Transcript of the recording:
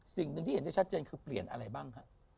สิ่งหนึ่งที่เห็นได้ชัดเจนคือเปลี่ยนอะไรบ้างฮะ